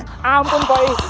ampun pak i